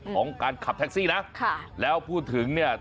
ของการขับแท็กซี่นะค่ะแล้วพูดถึงเนี่ย